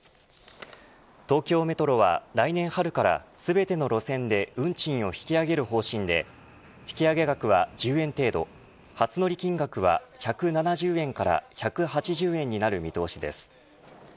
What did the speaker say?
東京メトロは、来年春から全ての路線で運賃を引き上げる方針で引き上げ額は１０円程度初乗り金額は１７０円から１８０円になる見通しです。